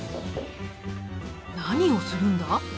何をするんだ？